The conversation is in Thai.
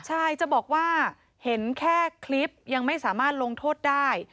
ใช่จะบอกว่าเห็นแค่คลิปยังไม่สามารถลงโทษได้